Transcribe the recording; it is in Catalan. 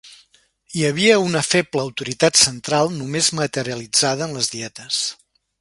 Hi havia una feble autoritat central només materialitzada en les Dietes.